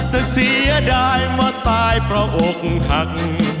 แต่เสียดายว่าตายเพราะอกหัก